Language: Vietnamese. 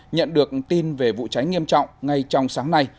nhận được tin về vụ cháy nghiêm trọng ngay trong sáng nay